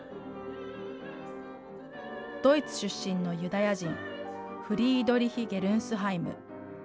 ドイツ出身のユダヤ人、フリードリヒ・ゲルンスハイム。